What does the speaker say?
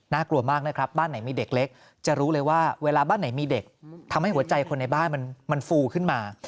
กลัวมากนะครับบ้านไหนมีเด็กเล็กจะรู้เลยว่าเวลาบ้านไหนมีเด็กทำให้หัวใจคนในบ้านมันฟูขึ้นมา